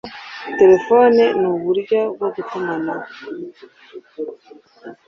Terefone nuburyo bwo gutumanaho.